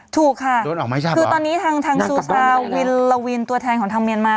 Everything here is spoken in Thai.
ถูกค่ะคือตอนนี้ทางทางซูซาวินลาวินตัวแทนของทางเมียนมา